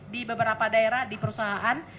di beberapa daerah di perusahaan